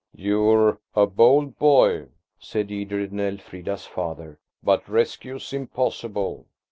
"You're a bold boy," said Edred and Elfrida's father, "but rescue's impossible."